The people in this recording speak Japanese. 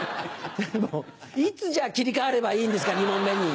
いつじゃ切り替わればいいんですか２問目に。